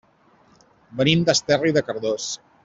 Venim d'Esterri de Cardós.